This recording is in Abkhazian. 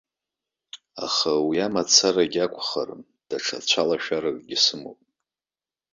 Аха уи амацарагьы акәхарым, даҽа цәалашәаракгьы сымоуп.